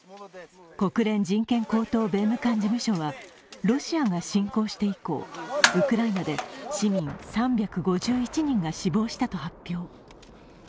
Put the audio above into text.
国連難民高等弁務官事務所はロシアが侵攻して以降、ウクライナで市民３５１人が死亡したと発表。